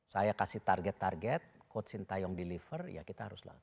saya kasih target target coach sintayong deliver ya kita harus lakukan